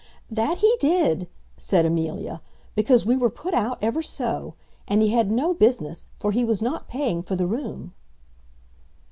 "That he did," said Amelia, "because we were put out ever so. And he had no business, for he was not paying for the room."